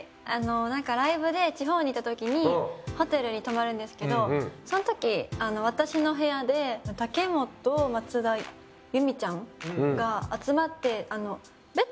なんかライブで地方に行ったときにホテルに泊まるんですけどそんとき私の部屋で武元松田有美ちゃんが集まって。